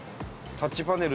タッチパネル？